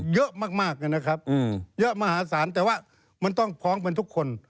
เยอะมากนะครับเยอะมหาศาลแต่ว่ามันต้องพ้องเป็นทุกคน